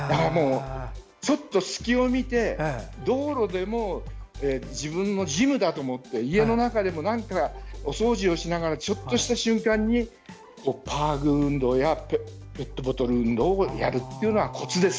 ちょっと隙を見て道路でも自分のジムだと思って家の中でも、お掃除をしながらちょっとした瞬間にパーグー運動やペットボトル運動をやるというのがコツです。